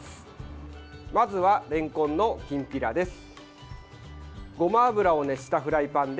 まずは、れんこんのきんぴらです。